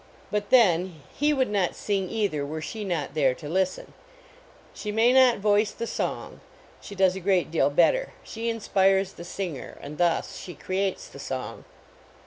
But then, he would not sing, either, were she not there to listen. She may not voice the song ; she does a great deal better; she inspires the singer, and thus she creates the song.